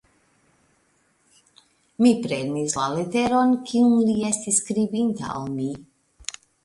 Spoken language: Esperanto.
Mi prenis la leteron, kiun li estis skribinta al mi.